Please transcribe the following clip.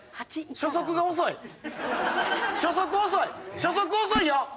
初速遅いよ！